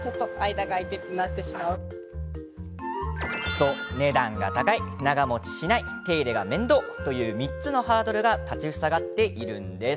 そう、値段が高い、長もちしない手入れが面倒という３つのハードルが立ちふさがっているんです。